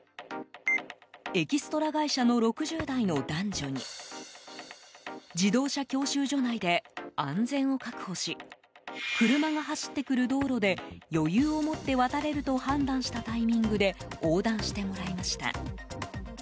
エキストラ会社の６０代の男女に自動車教習所内で安全を確保し車が走ってくる道路で余裕を持って渡れると判断したタイミングで横断してもらいました。